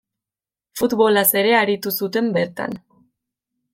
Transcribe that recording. Futbolaz ere aritu zuten bertan.